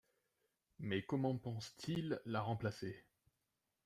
Mais comment pense-t-il la remplacer ?